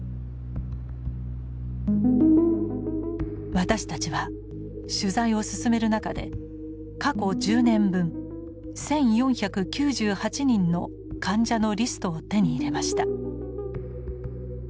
私たちは取材を進める中で過去１０年分１，４９８人の患者のリストを手に入れました。